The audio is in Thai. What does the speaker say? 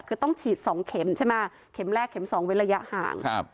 คือต้องฉีดสองเข็มใช่ไหมเข็มแรกเข็มสองเว้นระยะห่างครับ